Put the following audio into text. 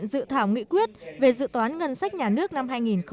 dự thảo nghị quyết về dự toán ngân sách nhà nước năm hai nghìn một mươi tám